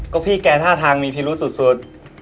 ก็พี่แกท่าทางมีพิรุษสุด